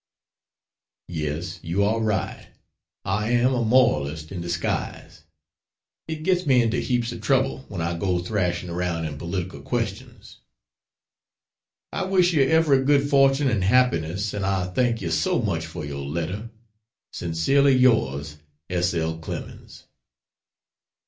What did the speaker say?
(Yes, you are right I am a moralist in disguise; it gets me into heaps of trouble when I go thrashing around in political questions.) I wish you every good fortune and happiness and I thank you so much for your letter. Sincerely yours, S. L. CLEMENS.